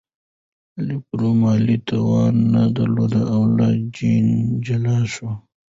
لفروی مالي توان نه درلود او له جین جلا شو.